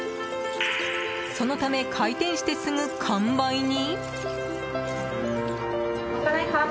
そのため、開店してすぐ完売に？